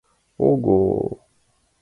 — Ого!